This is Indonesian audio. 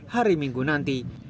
hari minggu nanti